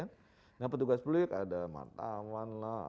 nah petugas publik ada mantawan lah